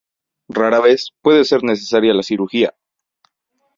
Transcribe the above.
Rara vez, puede ser necesaria la cirugía.